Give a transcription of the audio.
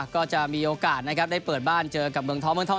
ก็จะมีโอกาสนะครับได้เปิดบ้านเจอกับเมืองท้องเมืองทอง